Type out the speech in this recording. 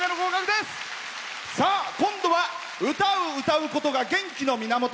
今度は歌を歌うことが元気の源。